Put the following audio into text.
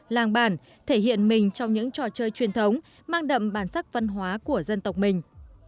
làng bản thể hiện mình trong những trò chơi truyền thống mang đậm bản sắc văn hóa của dân tộc mình